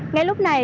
ngay lúc này